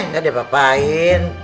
gak ada apa apain